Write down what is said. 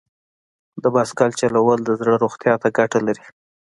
د بایسکل چلول د زړه روغتیا ته ګټه لري.